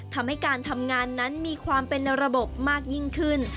ทำให้การทำงานนั้นมีความเป็นระบบมากยิ่งขึ้น